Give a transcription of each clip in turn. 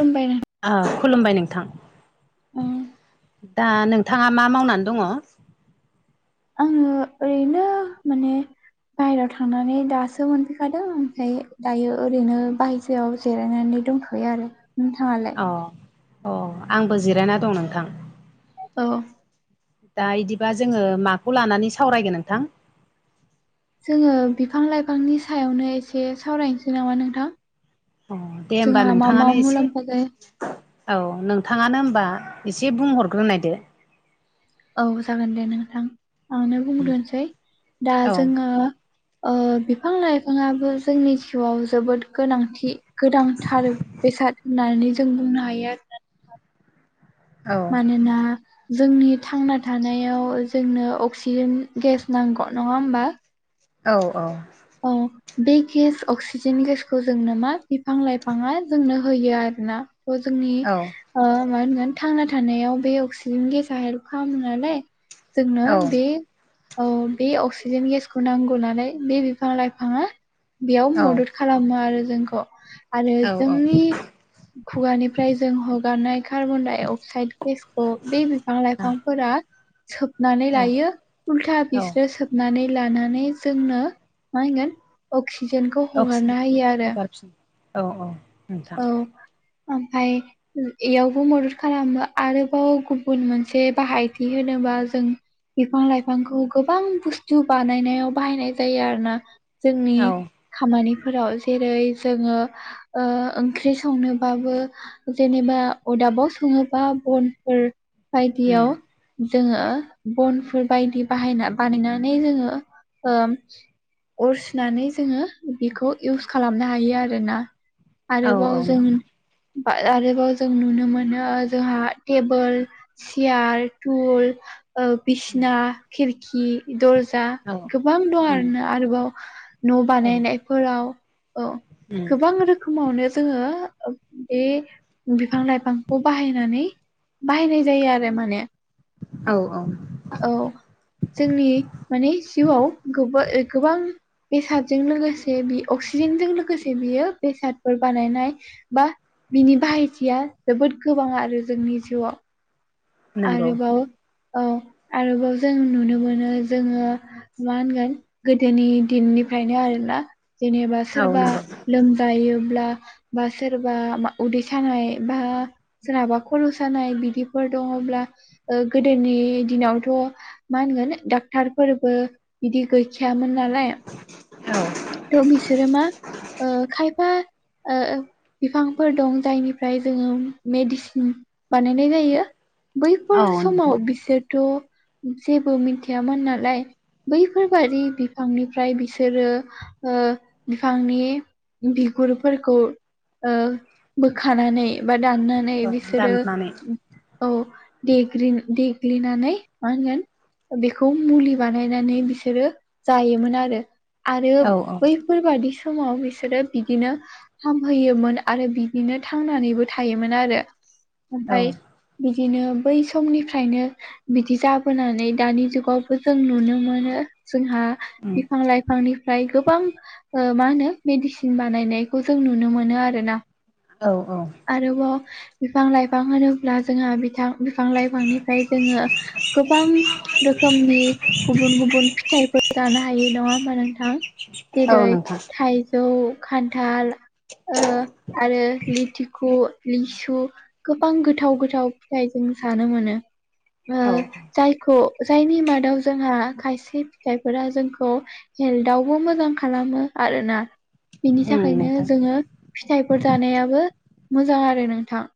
दोनबायना आ खुलुमबाय नोंथां उम दा नोंथाङा मा मावनानै दङ आङो ओरैनो माने बाय हेरायाव थांनानै दासो मोनफैखादों ओमफ्राय दायो ओरैनो बायजोआव जिरायनानै दंथ' यो आरो नोंथाङालाय अ अ आंबो जिरायना दं नोंथां औ दा बिदिबा जोङो माखौ लानानै सावरायगोन नोंथां जोङो बिफां लाइफांनि सायावनो एसे सावरायनोसै नामा नोंथां अ दे होमबा जोंहा मा मा नोंथाङानो एसे मुलाम्फा जायो औ नोंथाङानो होनबा एसे बुंहरग्रोनायदो औ जागोन दे नोंथां आंनो बुंग्रोसै दा औ जोङो बिफां लाइफाङाबो जोंनि जिउआव जोबोद गोनांथि गोदांथार बेसाद होननानै जों बुंनो हायो आरो औ मानोना जोंनि थांना थानायाव जोंनो अक्सिजेन गेस नांगौ नङा होमबा औ औ औ बे गेस अक्सिजेन गेसखौ जोंनो मा बिफां लाइफाङा जोंनो होयो आरोना थ' जोंनि औ ओ मा होनगोन थांना थानायाव बे अक्सिजेन गेस हेल्प खालामो नालाय जोंनो औ बे औ बे अक्सिजेन गेसखौ नांगौ नालाय बे बि फां लाइफाङा बेयाव औ मदद खालामो आरो जोंखौ आरो औ औ जोंनि खुगानिफ्राय जों हगारनाय कार्बन डाइ अक्साइद गेसखौ बे बिफां लाइफांफोरा सोबनानै लायो उल्था औ बिस्रो सोबनानै लानानै जोंनो मा होनगोन अक्सिजेनखौ अक्सिजेन हगारनो हयो आरो हगारफिन औ औ नोंथां औ ओमफाय एयावबो मदद खालामो आरोबाव गुबुन मोनसे बाहायथि होनोबा जों बिफां लाइफांखौ गोबां बुस्थु बानायनायाव बाहायनाय जायो आरो ना जोंनि औ खामानिफोराव जेरै जोङो ओ ओंख्रि संनोबाबो जेनेबा अदाबाव सङोबा बनफोर उम बायदियाव जोङो बनफोर बायदि बाहायना बानायनानै जोङो ओ अर सुनानै जोङो बेखौ इउस खालामनो हायो आरोना औ औ आरोबाव जों नोंथां आरोबाव जों नुनो मोनो जोंहा टेबोल सियार टुल ओ उम बिसिना खिरखि दरजा औ गोबां दं उम आरो ना आरोबाव न' औ बानायनायफोराव औ उम गोबां रो समावनो जोङो बे बिफां लाइफांखौ बाहायनानै बाहायनाय जायो आरो माने औ औ औ जोंनि माने जिउआव गो गोबां बेसादजों लोगोसे बे अक्सिजेनजों लोगोसे बियो बेसादफोर बानायनाय बा बिनि बाहायथिया जोबोद गोबां आरो जोंनि जिउआव नंगौ आरोबाव औ आरोबाव जों नुनो मोनो जोङो मा होनगोन गोदोनि दिननिफ्रायनो आरोना जेनेबा औ सोरबा नंगौ लोमजायोब्ला बा सोरबा उदै सानाय बा सोरहाबा खर' सानाय बिदिफोर दङब्ला गोदोनि दिनावथ' मा होनगोन डाक्टरफोरबो बिदि गैखायामोन नालाय औ थ' बिसोरो मा ओ खायफा ओ बिफांफोर दं जायनिफ्राय जोङो मेडिसिन बानायनाय जायो। बैफोर औ समाव नोंथां बिसोरथ' जेबो मिथियामोन नालाय बैफोरबादि बिफांनिफ्राय बिसोरो ओ बिफांनि बिगुरफोरखौ ओ बोखानानै बा दाननानै औ बिसोरो दाननानै औ देग्रिन देग्लिनानै मा होनगोन। बेखौ मुलि बानायनानै बिसोरो जायोमोन आरो आरो औ औ बेफोर बादि समाव बिसोरो बिदिनो हामहैयोमोन आरो बिदिनो थांनानैबो थायोमोन आरो औ ओमफाय बिदिनो बै समनिफ्रायनो बिदि जाबोनानै दानि जुगाव जों नुनो मोनो जोंहा उम बिफां लाइफांनिफ्राय गोब बां मा होनो मेडिसिन बानायनायखौ जों नुनो मोनो आरो ना। औ औ आरोबाव बिफां लाइफां होनोब्ला जोंहा बिथां बिफां लाइफांनिफ्राय जोङो गोबां रोखोमनि गुबुन गुबुन फिथाइफोर जानो हायो नङा होनबा नोंथां औ जेरै नोंथां थाइजौ खान्थाल ओ आरो लिथिखु लिसु गोबां गोथाव गोथाव फिथाइ जों जानो मोनो। औ [unintelligible] जायखौ जायनि मादाव जोंहा खायसे फिथाइफोरा जोंखौ हेल्थआव बो मोजां खालामो आरोना बिनि उम थाखायनो नोंथां जोङो फिथाइफोर जानायाबो मोजां आरो नोंथां।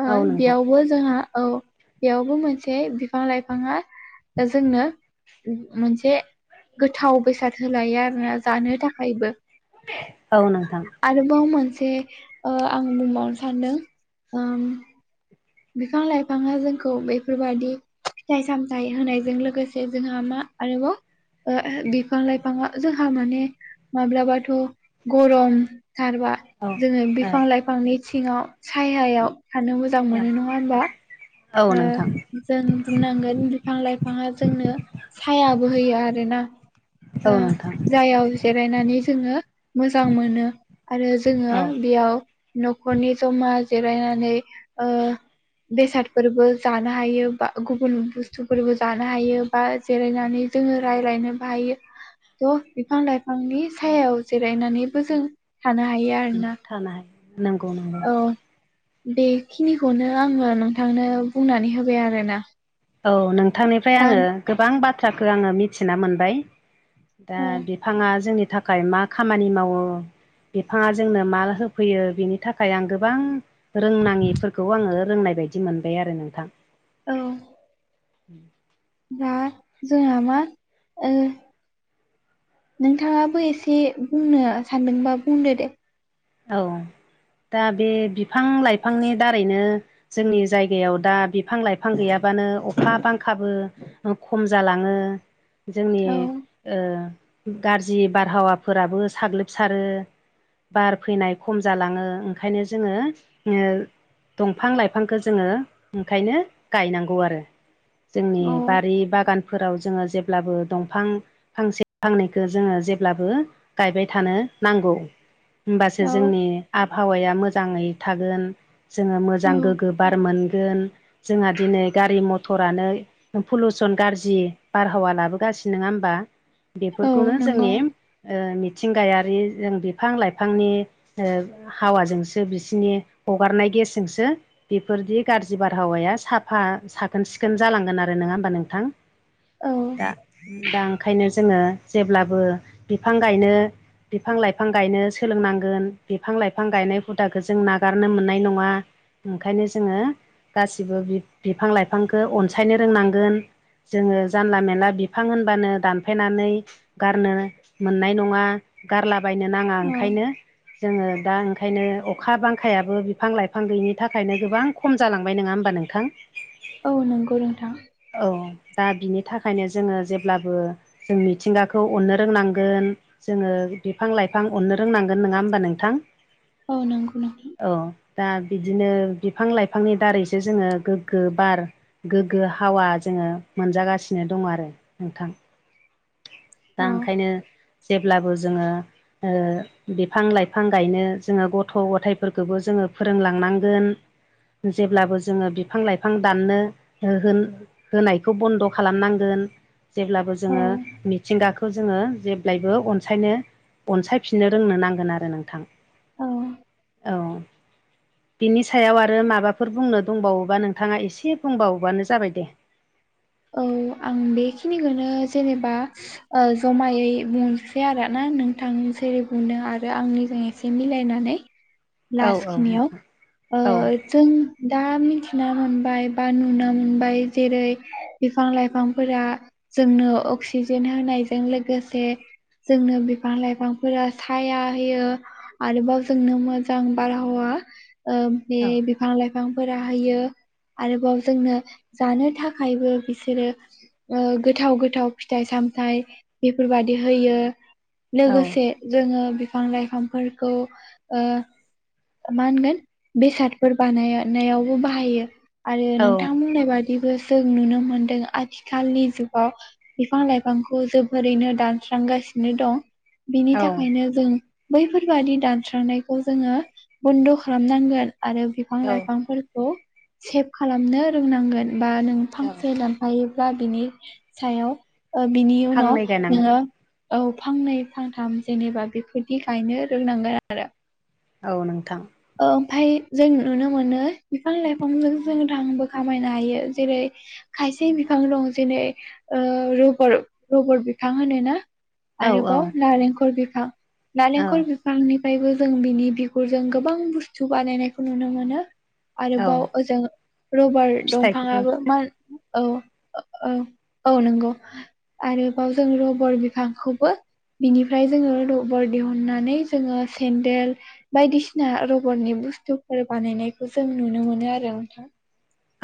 ओ औ नोंथां बेयावबो जोंहा औ बेयावबो मोनसे बिफां लाइफाङा जोंनो मोनसे गोथाव बेसाद होलायो आरोना जानो थाखायबो औ नोंथां आरोबाव मोनसे ओ आं बुंबावनो सानदों ओम बिफां लाइफाङा जोंखौ बेफोरबादि फिथाइ सामथाइ होनायजों लोगोसे जोंहा मा आरोबाव। ओ बिफां लाइफाङा जोंहा माने माब्लाबाथ' गरमथारबा औ जोङो ओ बिफां लाइफांनि सिङाव सायायाव थानो मोजां मोनो नङा होमबा। औ ओ नोंथां जों बुंनांगोन बिफां लाइफाङा जोंनो सायाबो होयो आरोना औ ओ नोंथां जायाव जिरायनानै जोङो मोजां मोनो आरो जोङो औ बेयाव न'खरनि जमा जिरायनानै ओ बेसाद फोरबो जानो हायो बा गुबुन बुस्थुफोरबो जानो हायो बा जिरायनानै जोङो रायलायनोबो हायो थ' बिफां लाइफांनि सायाव जिरायनानैबो जों थानो हायो आरोना थानाय नंगौ नंगौ औ बेखिनिखौनो आङो नोंथांनो बुंनानै होबाय आरोना औ नोंथांनिफ्राय दा आङो गोबां बाथ्राखौ आङो मिथिना मोनबाय दा औ बि फाङा जोंनि थाखाय मा खामानि मावो बिफाङा जोंनो माल होफैयो बिनि थाखाय आं गोबां रोंनाङिफोरखौ आङो रोंनाय बायदि मोनबाय आरो नोंथां औ [inaudible] दा जोंहा मा ओ नोंथाङाबो एसे बुंनो सानदोंबा बुंदो दे औ दा बे बिफां लाइफांनि दारैनो जोंनि जायगायाव दा बिफां लाइफां गैयाबानो अखा बांखाबो खम जालाङो जोंनि औ ओ गाज्रि बारहावाफोराबो साग्लोबसारो बार फैनाय खम जालाङो ओंखायनो जोङो दंफां लाइफांखौ जोङो ओंखायनो गायनांगौ आरो जोंनि औ बारि बागानफोराव जोङो जेब्लाबो दंफां फांसे फांनैखौ जोङो जेब्लाबो गायबाय थानो नांगौ होमबासो औ जोंनि आबहावाया मोजाङै थागोन जोङो औ मोजां गोग्गो बार मोनगोन जोंहा दिनै गारि मथरानो पलुउसन गाज्रि बारहावा लाबोगासिनो नङा होमबा औ बेफोरखौनो नंगौ जोंनि ओ मिथिंगायारि जों बिफां लाइफांनि ओ हावाजोंसो बिसिनि हगारनाय गेसजोंसो बेफोरदि गाज्रि बारहावाया साफा साखोन सिखोन जालांगोन आरो नङा होमबा नोंथां [inaudible] दा दा ओंखायनो जोङो जेब्लाबो बिफां गायनो बिफां लाइफां गायनो सोलोंनांगोन बिफां लाइफां गायनाय हुदाखौ जों नागारनो मोननाय नङा ओंखायनो जोङो गासिबो बि बिफां लाइफांखौ अनसायनो रोंनांगोन जोङो जानला मानला बिफां होनबानो दानफेनानै गारनो मोननाय नङा गारलाबायनो नाङा औ ओंखायनो जोङो दा ओंखायनो अखा बांखायाबो बिफां लाइफां गैयिनि थाखायनो गोबां खम जालांबाय नङा होमबा नोंथां औ नंगौ नोंथां औ दा बिनि थाखायनो जोङो जेब्लाबो जों मिथिंगाखौ अन्नो रोंनांगोन जोङो बिफां लाइफां अननो रोंनांगोन नङा होमबा नोंथां औ नंगौ नोंथां औ दा बिदिनो बिफां लाइफांनि दारैसो जोङो गोग्गो बार गोग्गो हावा जोङो मोनजागासिनो दङ आरो नोंथां दा औ ओंखायनो जेब्लाबो जोङो बिफां लाइफां गायनो जोङो गथ' गथायफोरखौबो जोङो फोरोंलांनांगोन जेब्लाबो जोङो बिफां लाइफां दाननो होन होनायखौ बन्द' खालामनांगोन जेब्लाबो औ जोङो मिथिंगाखौ जोङो जेब्लायबो अनसायनो अनसायफिननो रोंनो नांगोन आरो नोंथां औ औ बिनि सायाव आरो माबाफोर बुंनो दंबावोबा नोंथाङा एसे बुंबावोबानो जाबाय दे औ आं बेखिनिखौनो जेनेबा जमायै बुंनोसै आरो ना नोंथांसेरै बुंनो आरो आंनिजों एसे मिलायनानै औ औ नोंथां लास्खिनियाव औ जों दा मिथिना मोनबाय बा नुना मोनबाय जेरै बिफां लाइफांफोरा जोंनो अक्सिजेन होनायजों लोगोसे जोंनो बिफां लाइफांफोरा साया होयो आरोबाव जोंनो मोजां बारहावा बे बिफां लाइफां बिफांफोरा होयो आरोबाव जोंनो जानो थाखायबो बिसोरो गोथाव गोथाव फिथाइ सामथाइ बेफोरबादि होयो औ लोगोसे जोङो बिफां लाइफांफोरखौ ओ मा होनगोन बेसादफोर बानायनायावबो बाहायो आरो नोंथां बुंनाय बादिबो जों नुनो मोनदों आथिखालनि जुगाव बिफां लाइफांखौ जोबोरैनो दानस्रांगासिनो दं बिनि औ थाखायनो जों बैफोरबादि दानस्रांनायखौ जोङो बन्द' खालामनांगोन आरो बिफां औ लाइफांफोर सेभ खालामनो रोंनांगोन बा नों औ फांसे हायोब्ला बिनि सायाव बिनि फांनै उनाव गायनांगोन नोङो औ फांनै फांथाम जेनेबा बेफोरनि गायनो रोंनांगोन आरो औ नोंथां ओमफाय जों नुनो मोनो बिफां लाइफांजों जों रांबो खामायनो हायो जेरै खायसे बिफां दं जेरै रबर रबर बिफां होनो ना औ औ आरोबाव नारेंखल बिफां औ नारेंखल बिफांनि निफ्रायबो जों बिनि बिगुरजों गोबां बुस्थु बानायनायखौ नुनो मोनो औ आरोबाव ओजों रबार फिथाइखौबो दंफाङाबो मा औ औ औ नंगौ आरोबाव जों रबर बिफांखौबो बिनिफ्राय जोङो रबर दिहुननानै जोङो सेन्देल बायदिसिना बायदिसिना रबरनि बुस्थुफोर बानायनायखौ जों नुनो मोनो आरो नोंथां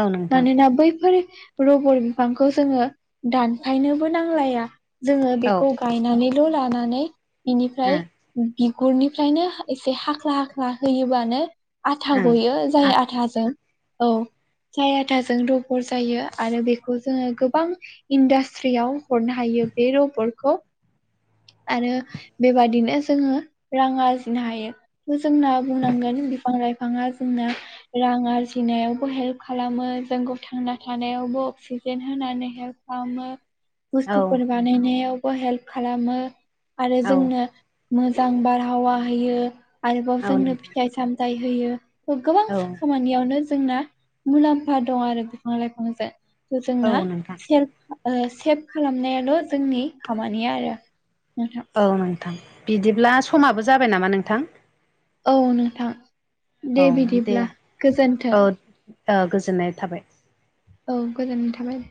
औ नोंथां मानोना बैफोर रबर बिफांखौ जोङो दानफायनोबो नांलाया जोङो औ बेखौ गायनानैल' लानानै बिनिफ्राय ओं बिगुरनिफ्रायनो एसे हाख्ला हाख्ला होयोबानो आथा ओं गयो जाय आथाजों औ आथाजों रबर जायो आरो बेखौ जोङो गोबां इन्डास्ट्रियाव हरनो हायो बे रबरखौ आरो बेबादिनो जोङो रां आरजिनो हायो जोंना बुंनांगोन बिफां लाइफाङा जोंना रां आरजिनायावबो हेल्प खालामो जोंखौ थांना थानायावबो अक्सिजेन होनानै हेल्प खालामो बुस्थुफोर औ बानायनायावबो हेल्प खालामो आरो औ जोंनो मोजां बारहावा होयो आरोबाव जोंनो नोंथां फिथाइ सामथाइ होयो गोबां औ खामानियावनो जोंना मुलाम्फा दं आरो बिफां लाइफांजों थ' औ जोंना नोंथां सेल्फ ओ सेभ खालामनायाल' जोंनि खामानिया आरो नोंथां औ नोंथां बिदिब्ला समाबो जाबाय नामा नोंथां औ नोंथां दे औ बिदिब्ला गोजोन्थों ओ गोजोननाय थाबाय औ गोजोननाय थाबाय